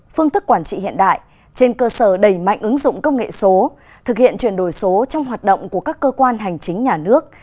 phương thức quản trị hiện đại trên cơ sở đẩy mạnh ứng dụng công nghệ số thực hiện chuyển đổi số trong hoạt động của các cơ quan hành chính nhà nước